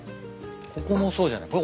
ここもそうじゃない？